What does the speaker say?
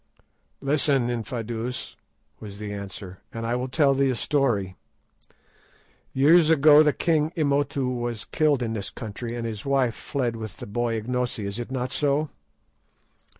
"Listen, Infadoos," was the answer, "and I will tell thee a story. Years ago the king Imotu was killed in this country and his wife fled with the boy Ignosi. Is it not so?"